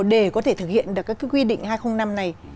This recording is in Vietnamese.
để có thể thực hiện được cái quy định hai nghìn năm này